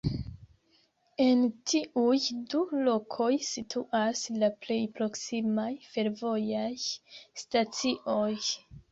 En tiuj du lokoj situas la plej proksimaj fervojaj stacioj.